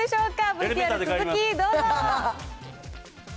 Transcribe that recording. ＶＴＲ続きどうぞ。